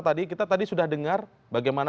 tadi kita tadi sudah dengar bagaimana